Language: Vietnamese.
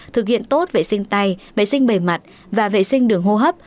thực hiện tốt vệ sinh tay vệ sinh bề mặt và vệ sinh đường hô hấp